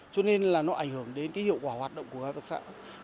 cho nên là nó ảnh hưởng đến cái hiệu quả hoạt động của hợp tác xã